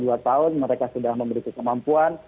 dalam dua tahun mereka sudah memberi kemampuan